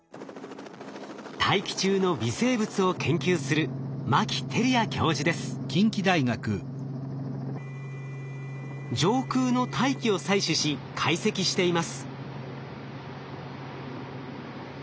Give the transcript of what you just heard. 大気中の微生物を研究する上空の大気を採取し解析しています。